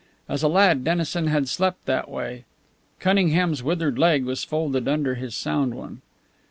As a lad Dennison had slept that way. Cunningham's withered leg was folded under his sound one.